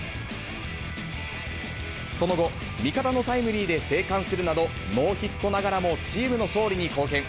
その後、味方のタイムリーで生還するなど、ノーヒットながらもチームの勝利に貢献。